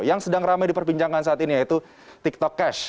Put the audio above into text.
yang sedang ramai diperbincangkan saat ini yaitu tiktok cash